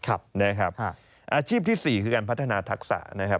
อาชีพที่๔คือการพัฒนาทักษะ